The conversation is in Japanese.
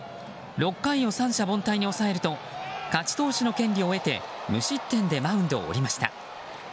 ６回を三者凡退に抑えると勝ち投手の権利を得て無失点でマウンドを降りました。